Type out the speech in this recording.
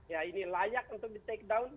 ya ini layak untuk di take down